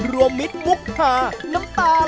รวมมิตมุกค่ะล้ำตาไหล